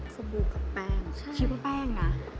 สบู่กับแป้งคิดว่าแป้งนะ